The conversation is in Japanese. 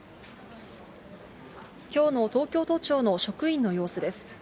きょうの東京都庁の職員の様子です。